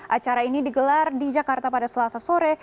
acara ini digelar di jakarta pada selasa sore